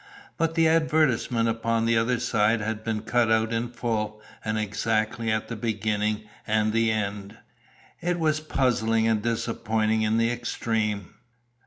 But the advertisement upon the other side had been cut out in full, and exactly at the beginning and end. It was puzzling and disappointing in the extreme.